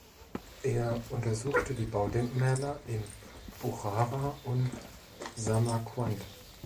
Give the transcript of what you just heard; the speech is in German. Er untersuchte die Baudenkmäler in Buchara und Samarqand.